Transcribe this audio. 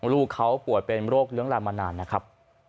ลูกเขาป่วยเป็นโรคเลื้องลำมานานนะครับ